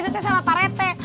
itu salah pak rt